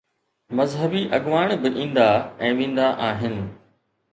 مذهبي اڳواڻ به ايندا ۽ ويندا آهن.